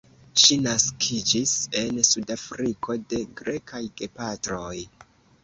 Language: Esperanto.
Ŝi naskiĝis en Sudafriko de grekaj gepatroj.